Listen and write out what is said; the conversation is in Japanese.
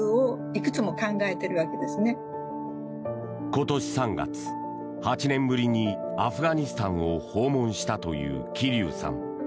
今年３月８年ぶりにアフガニスタンを訪問したという桐生さん。